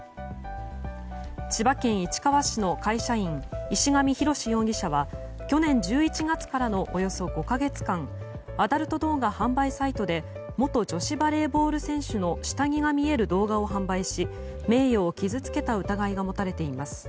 千葉県市川市の会社員石上浩志容疑者は去年１１月からのおよそ５か月間アダルト動画販売サイトで元女子バレーボール選手の下着が見える動画を販売し名誉を傷つけた疑いが持たれています。